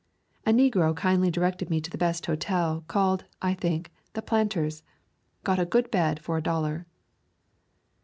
A negro kindly directed me to the best hotel, called, I think, the Planter's. Got a good bed for a dollar.